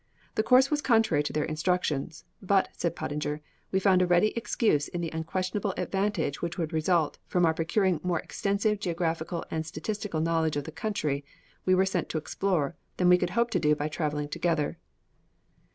This course was contrary to their instructions; "but," said Pottinger, "we found a ready excuse in the unquestionable advantage which would result from our procuring more extensive geographical and statistical knowledge of the country we were sent to explore than we could hope to do by travelling together."